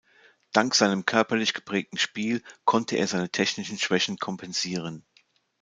Dank seinem körperlich geprägten Spiel konnte er seine technischen Schwächen kompensieren.